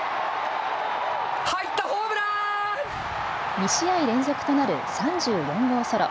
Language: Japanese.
２試合連続となる３４号ソロ。